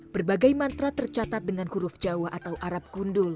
berbagai mantra tercatat dengan huruf jawa atau arab gundul